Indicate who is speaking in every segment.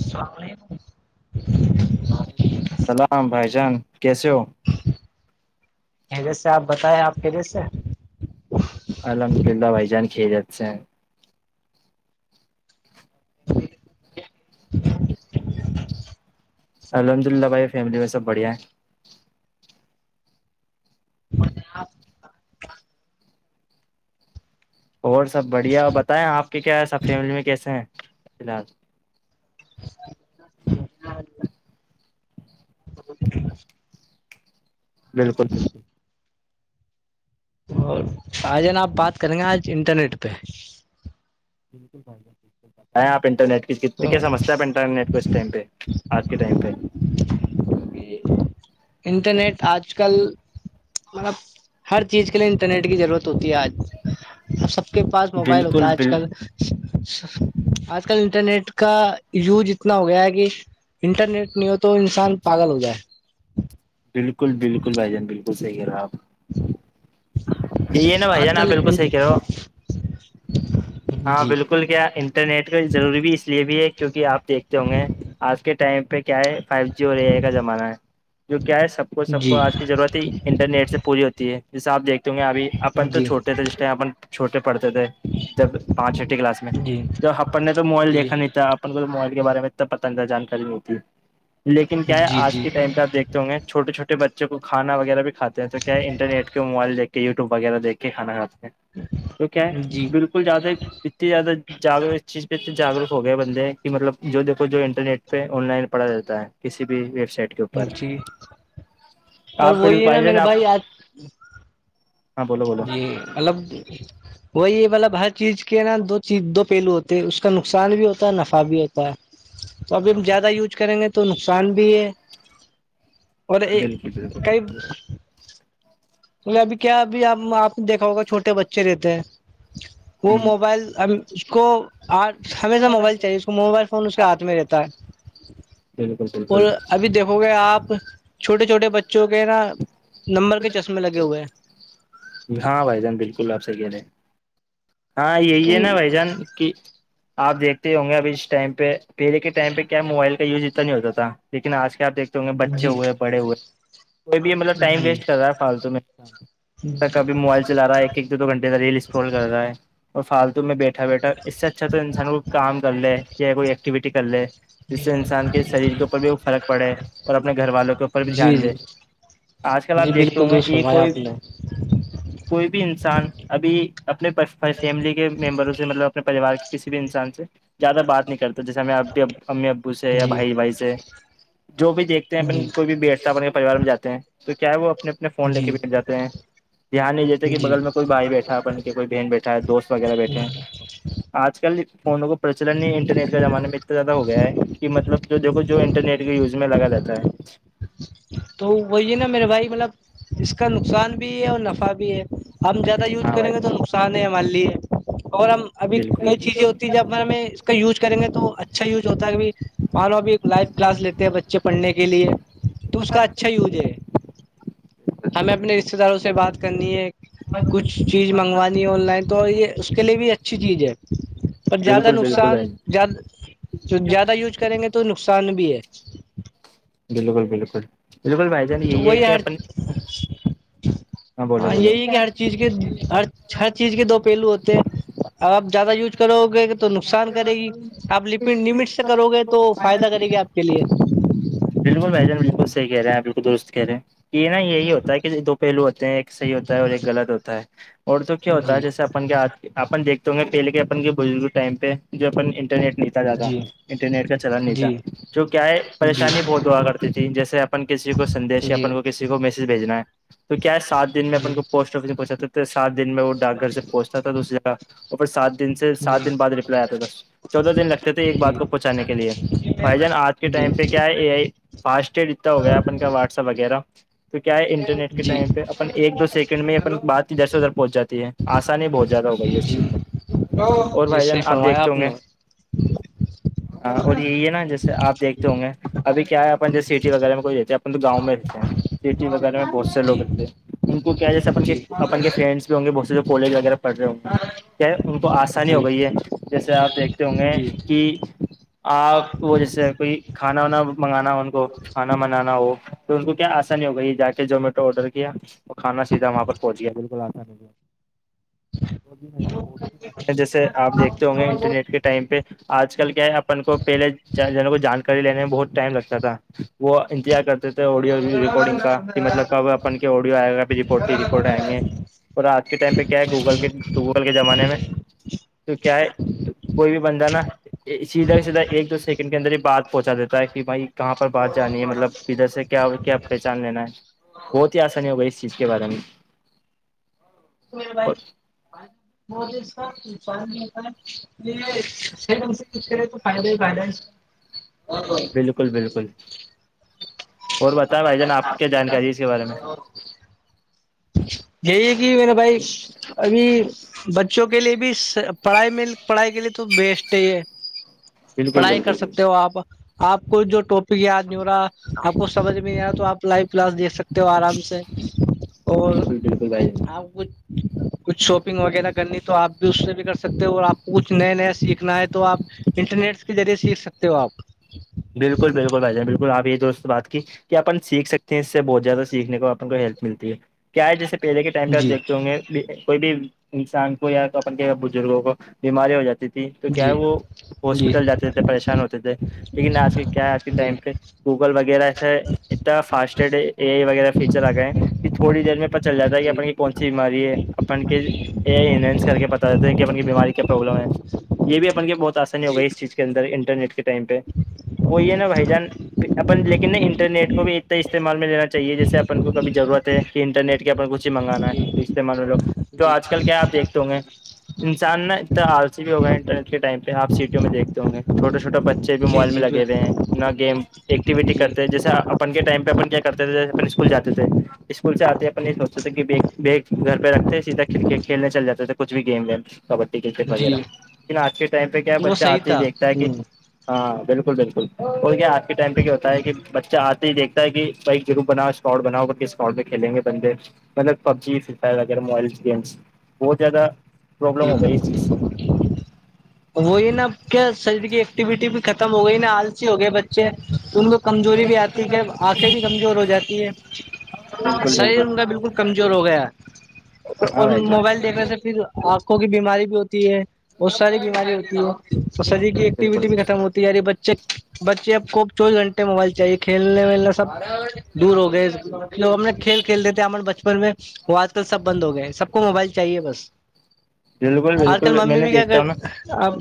Speaker 1: السلام علیکم
Speaker 2: ولیکم السلام بھائی جان کیسے ہو
Speaker 1: کی جیس سے آپ بتائیں آپ کی جیس سے
Speaker 2: الحمد للہ بھائی جان خیریت سے ہیں
Speaker 1: [unintelligible]
Speaker 2: الحمد للہ بھائی فیملی میں سب بڑھیا ہے اور سب بڑھیا اور بتائیں آپ کے کیا ہے سب فیملی میں کیسے ہیں فی الحال ملکن
Speaker 1: اور آ جانا آپ بات کریں گے آج انٹرنیٹ پہ
Speaker 2: یں آپ انٹرنیٹ کی
Speaker 1: تو
Speaker 2: کتنی کیا سمسیا ہے انٹرنیٹ کو اس ٹائم پہ آج کے ٹائم پہ [unintelligible]
Speaker 1: انٹرنیٹ آج کل مطلب ہر چیز کے لیے انٹرنیٹ کی ضرورت ہوتی ہے آج اب سب کے پاس موبائل ہوتا
Speaker 2: بالکل
Speaker 1: ہے آج
Speaker 2: بل
Speaker 1: کل آج کل انٹرنیٹ کا یوز اتنا ہو گیا ہے کہ انٹرنیٹ نہیں ہو تو انسان پاگل ہو جائے
Speaker 2: بالکل بالکل بھائی جان بالکل صحیح رہا آپ جی ہے نا بھائی
Speaker 1: آج
Speaker 2: جان آپ
Speaker 1: کل
Speaker 2: بالکل صحیح کہہ رہو ہو ہاں
Speaker 1: جی
Speaker 2: بالکل کیا انٹرنیٹ کا ضروری بھی اس لیے بھی ہے کیونکہ آپ دیکھتے ہوں گے آج کے ٹائم پہ کیا ہے فائیو جی ہو رہی ہے کا زمانہ ہے جو کیا ہے سب کو سب کو
Speaker 1: جی
Speaker 2: آج کی ضرورت ہی انٹرنیٹ سے پوری ہوتی ہے جیسے آپ دیکھتے ہو گے ابھی اپن تو
Speaker 1: جی
Speaker 2: چھوٹے تھے جس ٹائم اپن چھوٹے پڑھتے تھے جب پانچ چھی کلاس میں
Speaker 1: جی جی
Speaker 2: تو اپن نے تو موبائل دیکھا نہیں تھا کو موبائل کے بارے میں انا پتنگہ جانکاری نہیںتی لیکن کیا ہے آج
Speaker 1: جی
Speaker 2: کے ٹائم پ آپ دیکھتے تو چھوے چھوٹے بچوں کو کھانا وغیرہ بھی کھات ہیں تو کیا انرٹ کے موبائل دیک وغیرہ دیک کے کھانا کھاتے ہیں تو کیا ہے
Speaker 1: جی جی
Speaker 2: بالکل زیادہ اتنی زیادہ جا اس چیز پہت جاگروک ہو گئے بند ہیں کہ مطلب جو دیکو جو انرنیٹ پہ آن لائن پڑا جاتا ہے کسی بھی ویب سائٹ [unintelligible] کے اوپر
Speaker 1: جی پر
Speaker 2: آپ ب
Speaker 1: وہی ہے نا
Speaker 2: بائی ج
Speaker 1: میرے
Speaker 2: آپ
Speaker 1: بھائی آج
Speaker 2: ہاں بولو بولو
Speaker 1: جی اللب وہی مطلب ہر چیز کے نا دو چیز دو پہلو ہوتے ہیں اس کا نقصان بھی ہوتا ہے نفع بھی ہوتا تو ابھی ہم زیادہ یوز کریں گے تو نقصان بھی ہے اور یہ
Speaker 2: بالکل بالکل
Speaker 1: کئی بے ابھی کیا ابھیب آپ نے دیکھا ہوگا چھوٹے بچے رہتے ہیں وہ موبائل اس کو ہمیشہ موبائل چاہیے اس کو موبائل فون اس کے ہاتھ میں رہتا ہے
Speaker 2: بالکل
Speaker 1: اور
Speaker 2: بالکل
Speaker 1: ابھی دیکھو گے آپ چھوٹے چھوٹے بچوں کے نا نمبر کے چشمے لگے ہوئے ہیں
Speaker 2: ہاں بھائی جان بالکل آپ سے گہ رہے ہیں ہاں یہی ہے نا بھائی جان کہ آپ دیکھتے ہوں گے ابھی اس ٹائم پہ پہل کے ٹائم پہ کیا موبائل کا یوز اتنا نہیں ہوتا تھا لیکن آج کیا آپیکھ
Speaker 1: ہیں
Speaker 2: بچے
Speaker 1: جی
Speaker 2: ہوئے بڑے ہوئے کوئی بھی مطلب ٹائم
Speaker 1: جی
Speaker 2: ویسٹ کر رہا ہے فالتو اب تکب موبائل چلا رہا ہے ایک دو گھٹے کا ریل انٹال کر رہا ہے اور فالتو میں بیٹھا بیٹھا اس سے اچھا تو انسان کو کام کر لے یا کوئی ایکٹیویٹی کر لے جس سے انسان کے شریر کے اوپر بھی فرق پڑے اور اپنے گھر والوں کے اوپر بھی
Speaker 1: جی
Speaker 2: دھیان دے
Speaker 1: جی
Speaker 2: آج کل
Speaker 1: جی
Speaker 2: آپ دیکھتے
Speaker 1: بالکل
Speaker 2: ہوں گے
Speaker 1: درست
Speaker 2: یہ
Speaker 1: فرمایا
Speaker 2: کوئی
Speaker 1: آپ نے
Speaker 2: کوئی بھی انسان ابھی اپنے پ ہماری فیملی کے ممبروں سے مطلب اپنے پریوار کے کسی بھی انسان سے زیادہ بات نہیں کرتا جیسے ہم میں اپ بھیب امی ابو سے یا
Speaker 1: جی
Speaker 2: بھائی بھائی سے جو بھی دیکھتے ہیں
Speaker 1: جی
Speaker 2: اپن کوئی بھی بیٹھ کے پریوار میں جاتے ہیں تو کیا وہ اپنے اپنے فون لے کے
Speaker 1: جی
Speaker 2: بھیٹ جاتے ہیں دھیان نہیں دیتے کہ
Speaker 1: جی
Speaker 2: بگل میں کوئی بھائی بیٹھا اپن کے کوئی بہن بیٹھا بیٹھا دوست وغیرہ بیٹھے ہیں آج کل [unintelligible] فونوں کو پرچلن ہی انٹرنیٹ کے زمانے میں اتنا زیادہ ہو گیا ہے کہ مطلب جو دیکھو جو انٹرنیٹ کے یوز میں لگا جاتا ہے
Speaker 1: تو وہی نا میرے بھائی مطلب اس کا نقصان بھی ہے اور نفع بھی ہے ہم
Speaker 2: ہے
Speaker 1: زیادہ یوز
Speaker 2: ہاں
Speaker 1: کریں
Speaker 2: بھائی
Speaker 1: گے تو
Speaker 2: جان
Speaker 1: نقصان ہے مان لیے اور ہم ابھی
Speaker 2: بالکل
Speaker 1: کئی چیزیں ہوتی ہے جبیں کا یوز کریں گے تو اچھا یوز ہوتا ہے مان لو بھی لائو کلاس لیتے ہیں بچے پڑھنے کے لیے تو اس کا اچھا یوج ہے
Speaker 2: [inaudible]
Speaker 1: ہمیں اپنے رشتتے داروں سے بات کرنی ہے کچھ چیز منگوانی ہے آن لائن تو یہ اس کے لئے بھی اچھی چیز ہے اور
Speaker 2: بالکل
Speaker 1: زیادہ
Speaker 2: بالکل
Speaker 1: نقصان
Speaker 2: بھائی
Speaker 1: زیادہ یوز کریں گے تو نقصان بھی ہے
Speaker 2: بالکل بالکل بالکل بھائی جان
Speaker 1: تو
Speaker 2: یہی ہے
Speaker 1: وہی
Speaker 2: کہ
Speaker 1: ہر
Speaker 2: اپن
Speaker 1: ہاں یہی کہ ہر چیز کے ہر ہر چیز کے دو پہلو ہوتے ہیں اب آپ زیادہ یوز کرو گے تو نقصان کرے گی آپ لپڈ نمٹ سے کرو گے تو فائدہ کرے گی آپ کے لیے
Speaker 2: بالکل بھائی جان بالکلحہے ہیں بالکل درست کہہے ہیں یہ نا یہی ہوتا ہے کہ دو پہلو ہوتے ہیں ایک صحی ہوتا ہے اور ایک غلط ہوتا ہے اور تو کیا ہوتا ہے
Speaker 1: جی
Speaker 2: جیسے کےھ اپن دیکھتے گے پہلے کے اپن کے بزرگ ٹائم پہ جو اپن انٹرنیٹ نہیںتا جاتا
Speaker 1: جی
Speaker 2: انٹرنیٹ کا چلن نہیں تھا
Speaker 1: جی
Speaker 2: جو کیا ہے
Speaker 1: جی
Speaker 2: پریشانی بہت ہوا کرتی تھی جیسے اپن کسی کو سندیش یا
Speaker 1: جی
Speaker 2: اپن کو کسی کو میسج بھیجنا ہے تو کیا ہے سات دن میں اپن
Speaker 1: جی
Speaker 2: کو پوسٹ سے پوچھا تھا سات دن میں وہ ڈاک گھر سے پہنچتا تھا دوسری جگہ اور پھر سات دن سے
Speaker 1: جی
Speaker 2: سات دن بد ریپلائی آتا س چودہ دن لگتے تھے ایک بات کو پہنچانے کے لیے بھائی جان آج کے
Speaker 1: جی
Speaker 2: ٹائم پہ کیا ہے یہ فاسٹٹیگ اتنا ہو گیا اپن کا واٹسپ وغیرہ تو کیا ہے انٹرنیٹ کے
Speaker 1: جی
Speaker 2: ٹائم پہ اپن ایک دو سیکنڈ میں اپ بات ادھر سے ادھر پہنچ جاتی ہے آسانی بہت زیادہ ہوگئی اس
Speaker 1: جی
Speaker 2: چیز میں اور
Speaker 1: جی
Speaker 2: بھائی جان
Speaker 1: صحیح
Speaker 2: آپ
Speaker 1: فرمایا
Speaker 2: دیکھتے ہوں گے
Speaker 1: نے
Speaker 2: [unintelligible] ہاں اور یہی ہے نا جیس آپ دیکتے ہوں گے ابھی کیا ہے اپن جی سٹی وغیرہ میں کوئی رہتا ہے اپن تو گاؤں میں رہتے ہیں سٹی وغیرہ میں بہت سے
Speaker 1: جی
Speaker 2: لوگ رہتے ہیں ان کو کیا جیسے اپن
Speaker 1: جی
Speaker 2: اپن کے فرینڈس بھی ہوں گے بہت سے کالج وغیرہ پڑ رہے ہوں گے کیا ان کو آسانی ہو
Speaker 1: جی
Speaker 2: گئی ہے جیسے آپ دیکھتے ہوں گے
Speaker 1: جی
Speaker 2: کہ آپ وہ جیسے کوئی کھانا وانا منگانا ہے ان کو کھانا بنانا ہو تو ان کو کیا آسانی ہو گئی جا کے جومیٹو آرڈر کیا وہ کانا سیدھا وہاں پر پہنچ گیا بالکل آتا بہت سی باتیں ہیں جیسے آپ دیکھتے ہوں گے انٹرنیٹ کے ٹائم پہ آج کل کیا ہے اپن کو پہلےن کو جانکاری لینے میں بہت ٹائم لگتا تھا وہ انتظار کرتا ےڈیو رپورڈنگ کا کہ مطلب کب اپن کے آڈی آئے گا رپورٹ رپورٹ آئ گے اور آج کے ٹائم پہ کیا ہے گوگل کے گوگل کے زمانے میں تو کیا ہے کوئی بھی بند نا سیدھا سیدھا ایک دو سیکنڈ کے اندر ہی بات پہنچا دیتا ہے کہ بھائی کہاں پر بات جانی ہے مطلب ادھر سے کیا کیا پہچان لینا ہے بہت ہی آسانی ہوگئی اس چیز کے بارے میں
Speaker 1: گڈ بائے
Speaker 2: اور
Speaker 1: م سرن ہوتا یہ سی سےے تو فائدے بلنس
Speaker 2: ج بالکل بالکل اور بتائیں بھائی جان آپ کیا جانکاری اس کے بارے میں
Speaker 1: اور یہی ہے کہ میں نے بھائی ابھی بچوں کے لیے بھی پڑھائی میں پڑھائی کے لیے تو بیسٹ ہے یہ
Speaker 2: بالکل
Speaker 1: پڑھائی کر
Speaker 2: بالکل
Speaker 1: سکتے ہو آپ آپ کو جو ٹاپک یاد نہیں ہو رہا آپ کو سمجھ میں نہیں آ رہا تو آپ لائو کلاس دیکھ سکتے ہو آرام سے اور آپ کچھ
Speaker 2: بچ
Speaker 1: کچھ شاپنگ وغیرہ کرنی تو آپ بھی اس سے بھی کر سکتے ہو اور آپ کو کچھ نیا نیا سیکھنا ہے تو آپ انٹرنیٹ سے کے ذریعے سیکھ سکتے ہو آپ
Speaker 2: بالکل بالکل بھائیان بالکل آپ یہی دوست بات کی کہ آپن سیکھ سکتے ہیں اس سے بہت زیادہ سیکھنے کو اپن کو ہیلپ ملتی ہے کیا ہے جیسے پہے کے ٹم
Speaker 1: جی
Speaker 2: پہپیکھتے ہ گے کوئی بھی انسان کو یا اپن کے بزرگوں کو بیماری ہو جاتی ت تھی تو کیا ہے
Speaker 1: جی
Speaker 2: وہ
Speaker 1: جی
Speaker 2: ہاسپٹل جاتے تھے پریشان ہوتے تھے لیکن آج کے کیا آج کے
Speaker 1: جی
Speaker 2: ٹائم پہ گوگل وغیرہ ایسے اتنا فاسٹڈ ا آئی وغیرہ فیچر آگ ہے کہ تھوڑی دیر میں پت چل جاتا ہے کہ اپن کی کون سی بیماری ہے اپن کے یہ
Speaker 1: جی
Speaker 2: انینس کر کے پتا دیتے کہ بن کی بیماری کیا پروابلم ہے یہ بھی اپن کے بہت آسانی ہوگئی اس چیز کے اندر انٹرنیٹ کے ٹائم پہ وہوئیے نا بھائی جان اپن لیکن ن انٹرنیٹ کو بھی اتنے استعمال میں لینا چاہیے جیسے اپن کو کبھی ضرورت ہے کہ انٹرنیٹ کے اوپر کچھ ہی منگانا ہے استعمال لو تو آج کل کیا آپ دھتے ہوں گے انسان نا اتنا آرسی بھی ہوگا انر ٹائم پہ آپ سیٹیوں میں دیکھتے ہوںے چھوٹا چھوٹا بچے
Speaker 1: جی
Speaker 2: موبائل میں
Speaker 1: جی جی
Speaker 2: لگے ہوئے ہیں ن گیم ایکٹیویٹی کرتے ہیں جیسے آپ اپن کے ٹائ پہ اپن کیا کرتے تھے اپن اسکول جاتے تھے اسکول سے آتے اپن یہ سوچتے تھے کہ گھر پہ رکھتے سیدھا کرکٹ کھیلنے چل جاتے تھے کچھ بھی گیم ویم کبڈی کرکٹ وغیرہ لیکن آج کے ٹائم پہ کیا ہے
Speaker 1: وہ
Speaker 2: بچہ
Speaker 1: صحیح
Speaker 2: آتے ہی
Speaker 1: تھا
Speaker 2: دیکھتا ہے کہ ہاں بالکل بالکل بول کیا آج کے ٹائم پہ کیا ہوتا ہے کہ بچہ آج یہ دیکتا ہے کہ بائی گروپ بناؤ اسکارڈ بناؤ ب ک اسکارڈ میں کھیلیں گے بندے مطلب پب جیتا ویرہ موبائل گیمس بہت زیادہ پرابلم
Speaker 1: ج
Speaker 2: ہو گئی اس چیز سے
Speaker 1: وہی نا کیا شریر کی ایکٹیویٹی بھی ختم ہو گئی نا آلسی ہو گئے بچے ان کو کمزوری بھی آتی ہے آنکھیں بھی کمزور ہو جاتی ہے شریر ان کا بالکل کمزور ہو گیا
Speaker 2: ہاں
Speaker 1: اور
Speaker 2: بھائی جان
Speaker 1: موبائل دیکھنے سے پھر آنکھوں کی بیماری بھی ہوتی ہے بہت ساری بیماری ہوتی ہے اور شریر کی ایکٹیویٹی
Speaker 2: بالکل
Speaker 1: بھی ختم ہوتی تیے بچے بچے آپ کو چوبیس گھنٹے موبائل چاہیے کھیلنے ولنے سب دور ہو گئے لو ہمنے کھیل کھیلتے تھے ہمنے بچپن میں وہ آج کل سب بند ہو گئے سب کو موبائل چاہیے بس
Speaker 2: بالکل
Speaker 1: آج کل
Speaker 2: بالکل میں
Speaker 1: ممی
Speaker 2: نے
Speaker 1: بھی کیا
Speaker 2: دیکھتا ہوں نا
Speaker 1: اب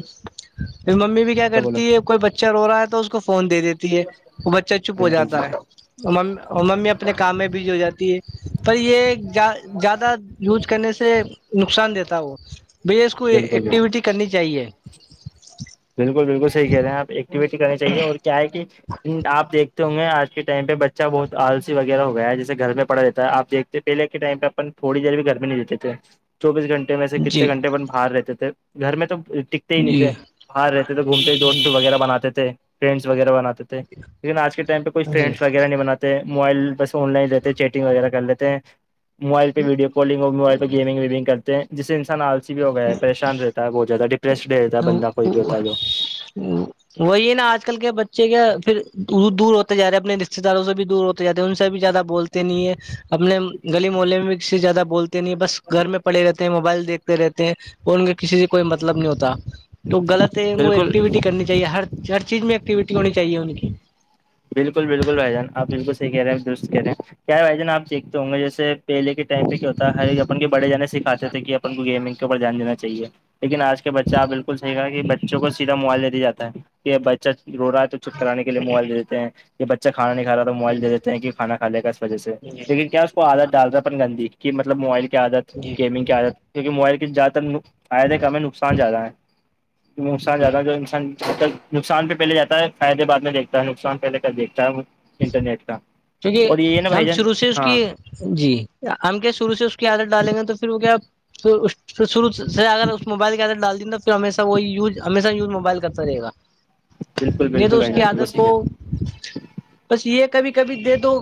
Speaker 1: ممی بھی کیا
Speaker 2: بولو بولو
Speaker 1: کرتی ہے کوئی بچہ رو رہا ہے تو اس کو فون دے دیتی ہے وہ بچہ چپ ہو
Speaker 2: بالکل
Speaker 1: جاتا ہے
Speaker 2: بالکل
Speaker 1: ممی اپنے کام میں بھی جو ہو جاتی ہے پر یہ زیادہ یوج کرنے سے نقصان دیتا ہو بھیا اس کو
Speaker 2: بالکل
Speaker 1: ایکٹیویٹی کرنی چاہیے
Speaker 2: بالکل بالکل صحیح کہہ رہے ہیں آپ ایکٹیویٹی کرنی چاہیے اور کیا ہے کہ آپیکھتے ہوں گے آ اس ٹائم پہ بچہ بہت آلسی و ہو گیا ہے جیسے گھر میں پڑا رہتا ہے آپ دھتے پہل کے ٹائم پہ اپن تھوڑی دیر بھی گھر میں نہیں لیتے تھے چوبیس گھنٹے میں سے
Speaker 1: جی
Speaker 2: کتنے گنٹے اپن باہر رہتے تھے گھر میں تو ٹکتے ہی نہیں
Speaker 1: جی
Speaker 2: تھے رہتے تھے گھومتے ہی دوست
Speaker 1: جی
Speaker 2: وغیرہ بناتے تھے فرینڈس وغیرہ بناتے تھے لیکن آج کے ٹائم پ کوئی فرینڈس وغیرہ نہیں بناتے موائل بس فن لائن رہتے ہیں چیٹنگ وغیرہ کر لیتے ہیں موائل پہ ویڈیو کالنگ ہو موبائل پہ گیمنگ ویمنگ کرتے ہیں جس سے انسان آلسی بھی ہو گیا ہے پریشان رہتا ہے بہت جیاہ ڈپریسڈ بھی رہتا ہے بندہ کوئی بھی ہوتا ہے
Speaker 1: جی
Speaker 2: جو
Speaker 1: وہی نا آج کل کے بچے کے پھر دور ہوتے جا رہے ہیں اپنے رشتے داروں سے بھی دور ہوتے جاتے ہیں ان سے بھی زیادہ بولتے نہیں ہے اپنے گلی ملہے میں بھی ک سے زیادہ بولتے نہیں بس گھر میں پڑے رہتے موبائل دیکتے رہتے ہیں اور ان کا کسی سے کوئی مطلب نہیں ہوتا تو غلط ہے وہ
Speaker 2: بالکل
Speaker 1: ایکٹیویٹی کرنی چاہیے ہر ہر چیز میں ایکٹیویٹی ہونی چاہیے ان کی
Speaker 2: بالکل بالکل بھائی جان آ بالکل صحی کہہ رہے ہیں درست کہہ رہے ہیں کیا بھائی جان آ دیکھتے ہوں گے جیس پہلے کے کیا ہوتا ہے ہر ایک اپن کے بڑے جان سکھاتے تھے کہ اپن کو گیمنگ کے اوپر دھیان دینا چاہے لیکن آج کے بچہ آپ بالکل صحیحا کہ بچوں کو سیدا موائلے دیا جات ہے یہ بچہ رو رہا ہے تو چپ کرانے لیے موبائل دے دیتے ہیں یہ بچہ کھانا نہیں کھا موبائلے دیتے ہیں کہ کھا کھاے گا اس وجہ سے لیکن کیا اس کو عادت ڈالتا ہے اپن گی مطلب موبائل کی عادت
Speaker 1: جی
Speaker 2: گیمنگ کی آت کیونکہ موبائل کی زیادہ تر آت ہے
Speaker 1: جی
Speaker 2: کہ ہمیں نقصان زیادہ ہے نقصان جاتدا ہے جو انسان نقصان پہلے جاتا ہے فائدے بعد میں دیکھتا ہے نقصان پہے دیکتا ہوں
Speaker 1: کیونکہ ہم
Speaker 2: جان
Speaker 1: شروع سے اس
Speaker 2: ہاں
Speaker 1: کی جی ہم کیا شروع سے اس کی عادت ڈالیں گے تو پھر وہ کیا شروع ر اگر اس موبائل کے اندر ڈال دین گا پھرمیشہ وہ یز ہمیشہیوز موبائل کرتا رہے گا
Speaker 2: بالکل
Speaker 1: نہیں تو
Speaker 2: بالکل
Speaker 1: اس
Speaker 2: بھائی
Speaker 1: کی
Speaker 2: جان بالکل
Speaker 1: عادت
Speaker 2: صحیح
Speaker 1: کو
Speaker 2: ہے
Speaker 1: بس یہ کبھی کبھی دے تو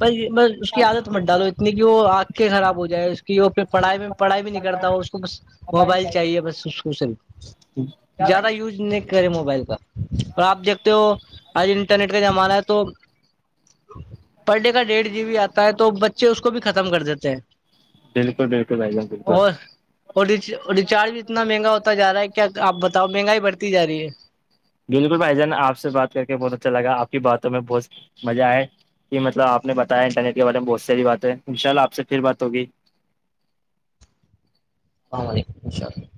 Speaker 1: ب ب اس کی عادت مت ڈالو اتنی کہ وہ خراب ہو جائے کہ پ پڑھائی میں پڑھائی بھی نہیں کرتا اس کو بس موبائل چاہیے بس اس کو صرف زیادہ یوز نہیں کرے موبائل کا اور آپ دیکھتے ہو آج انٹرنیٹ کا زمانہ ہے تو تم پر ڈے کا ڈیھ جی بی آتا ہے تو بچے اس کو بھی ختم کر دیتے ہیں
Speaker 2: بالکل بالکل ب بالکل
Speaker 1: اور اور ریچارج بھی اتنا مہنگا ہوتا جا رہا ہے کیا آپ بتاؤ مہنگائی بڑھتی جا رہی ہے
Speaker 2: بالکل بھائی جان آپ سے بات کر کے بہت اچھا لگا آپ کی باتوں میں بہت مزہ آئے یہ مطلب آپ نے بتایا انٹرنیٹ کے بارے میں بہت ساری باتیں ان شاءلہ آپ سے پھر بات ہوگی
Speaker 1: اللام علیکم السلام